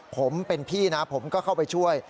ผมเป็นพี่นะผมก็เข้าไปช่วย